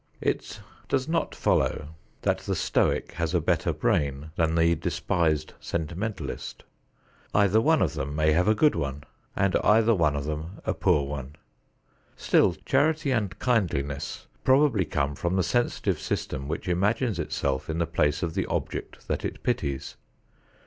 It does not follow that the stoic has a better brain than the despised "sentimentalist." Either one of them may have a good one, and either one of them a poor one. Still, charity and kindliness probably come from the sensitive system which imagines itself in the place of the object that it pities.